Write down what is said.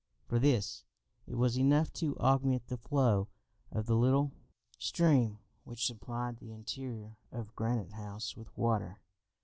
For this, it was enough to augment the flow of the little stream which supplied the interior of Granite House with water.